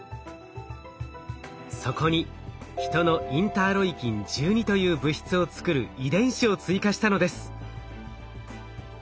そこにヒトのインターロイキン１２という物質を作る遺伝子を追加したのです。